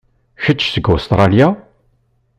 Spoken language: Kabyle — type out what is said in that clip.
Kečč seg Ustṛalya?